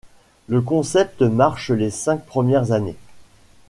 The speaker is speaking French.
Le concept marche les cinq premières années.